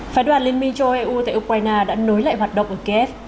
phái đoàn liên minh châu eu tại ukraine đã nối lại hoạt động ở kiev